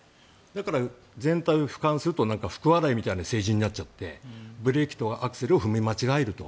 だから全体を俯瞰すると福笑いみたいな政治になっちゃってブレーキとアクセルを踏み間違えると。